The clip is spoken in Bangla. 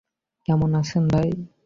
কেমন আছেন ভাই?